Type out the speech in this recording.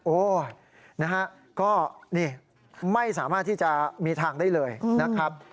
โอ้นะฮะก็นี่ไม่สามารถที่จะมีทางได้เลยนะครับ